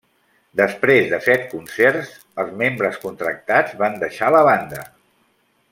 Després de set concerts, els membres contractats van deixar la banda.